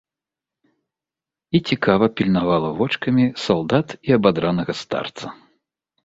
І цікава пільнавала вочкамі салдат і абадранага старца.